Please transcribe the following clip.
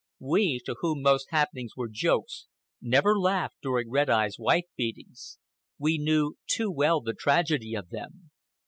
We, to whom most happenings were jokes, never laughed during Red Eye's wife beatings. We knew too well the tragedy of them.